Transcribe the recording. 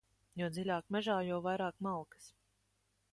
Jo dziļāk mežā, jo vairāk malkas.